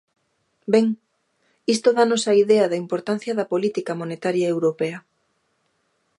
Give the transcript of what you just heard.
Ben, isto dános a idea da importancia da política monetaria europea.